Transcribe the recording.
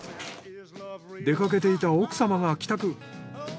出かけていた奥様が帰宅。